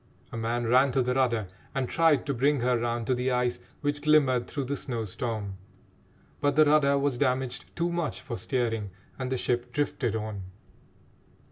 A man ran to the rudder and tried to bring her round to the ice which glimmered through the snow storm, but the rudder was damaged too much for steering and the ship drifted on.